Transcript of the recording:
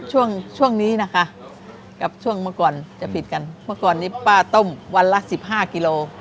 ช่วงนี้นะคะกับช่วงเมื่อก่อนจะผิดกันเมื่อก่อนนี้ป้าต้มวันละสิบห้ากิโล